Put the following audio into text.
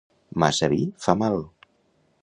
Massa vi fa mal.